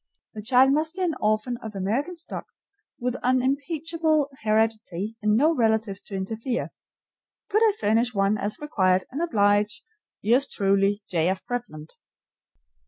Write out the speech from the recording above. The child must be an orphan of American stock, with unimpeachable heredity, and no relatives to interfere. Could I furnish one as required and oblige, yours truly, J. F. Bretland?